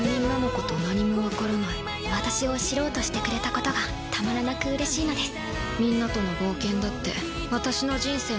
私を知ろうとしてくれたことがたまらなくうれしいのです。